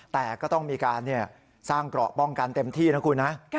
แต่ก็ต้องมีการสร้างเกราะป้องกันเต็มที่นะคุณนะ